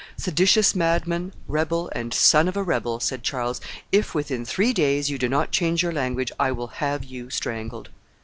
"Seditious madman, rebel, and son of a rebel," said Charles, "if within three days you do not change your language, I will have you strangled."